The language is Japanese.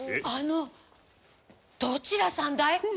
あのどちらさんだい？